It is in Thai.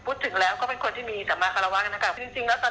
พูดถึงแล้วก็เป็นคนที่มีสัมมากฎาวะกันนะคะจริงแล้วตอนนี้ก็คือเป็นห่วงเพราะว่า